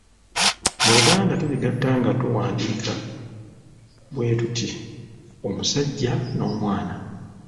Mu Luganda tubigatta nga tuwandiika bwe tuti: omusajja n’omwana.